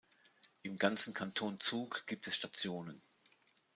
Im ganzen Kanton Zug gibt es Stationen.